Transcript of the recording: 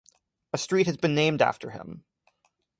A street has been named after him.